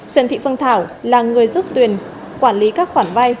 trần thị phương thảo là người giúp tuyền quản lý các khoản vay